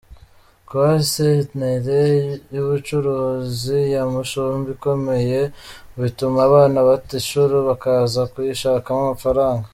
Kuba isentere y’ubucuruzi ya Mushubi ikomeye bituma abana bata ishuri bakaza kuyishakamo amafaranga.